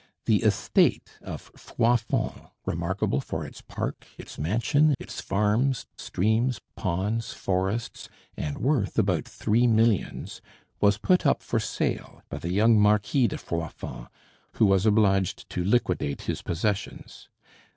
The estate of Froidfond, remarkable for its park, its mansion, its farms, streams, ponds, forests, and worth about three millions, was put up for sale by the young Marquis de Froidfond, who was obliged to liquidate his possessions.